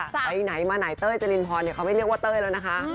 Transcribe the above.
ไปไหนมาไหนเต้ยจรินพรเขาไม่เรียกว่าเต้ยแล้วนะคะ